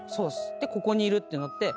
でここにいるってなって。